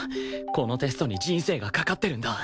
このテストに人生がかかってるんだ！